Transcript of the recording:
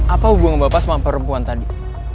apa hubungan bapak sama perempuan tadi